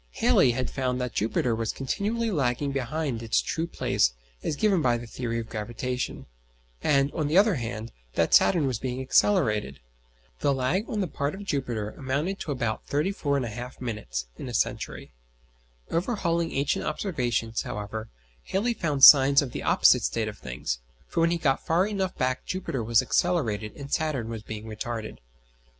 Halley had found that Jupiter was continually lagging behind its true place as given by the theory of gravitation; and, on the other hand, that Saturn was being accelerated. The lag on the part of Jupiter amounted to about 34 1/2 minutes in a century. Overhauling ancient observations, however, Halley found signs of the opposite state of things, for when he got far enough back Jupiter was accelerated and Saturn was being retarded.